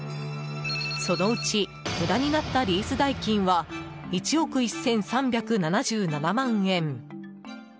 そのうち無駄になったリース代金は１億１３７７万円。